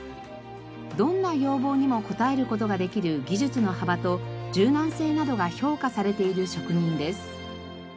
どんな要望にも応える事ができる技術の幅と柔軟性などが評価されている職人です。